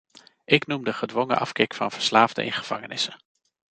Ik noem de gedwongen afkick van verslaafden in gevangenissen.